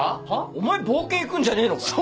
お前冒険行くんじゃねえのかよ。